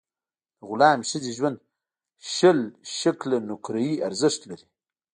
د غلامي ښځې ژوند شل شِکِل نقره ارزښت لري.